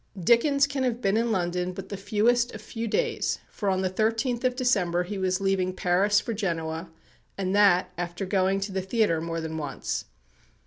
Dickens can have been in London but the fewest of few days, for on the 13th of December he was leaving Paris for Genoa, and that after going to the theatre more than once.